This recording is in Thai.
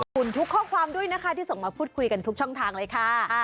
ทุกข้อความด้วยนะคะที่ส่งมาพูดคุยกันทุกช่องทางเลยค่ะ